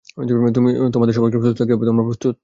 তোমাদের সবাইকে প্রস্তুত থাকতে হবে - তোমরা প্রস্তুত?